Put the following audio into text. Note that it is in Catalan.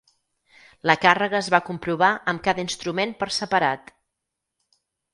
La càrrega es va comprovar amb cada instrument per separat.